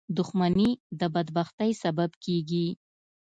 • دښمني د بدبختۍ سبب کېږي.